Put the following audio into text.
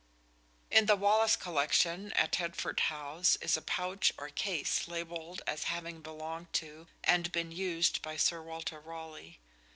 In the Wallace Collection at Hertford House is a pouch or case labelled as having belonged to and been used by Sir Walter Raleigh.